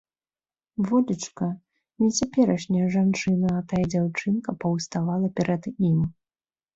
Волечка, не цяперашняя жанчына, а тая дзяўчынка паўставала перад ім.